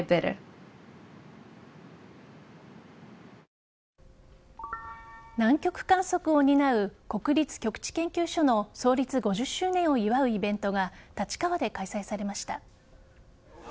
警察などによりますと南極観測を担う国立極地研究所の創立５０周年を祝うイベントが立川で開催されました。